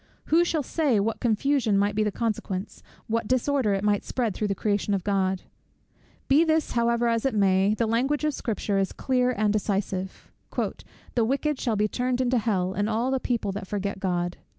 Who shall say what confusion might be the consequence, what disorder it might spread through the creation of God? Be this however as it may, the language of Scripture is clear and decisive; "The wicked shall be turned into hell, and all the people that forget God."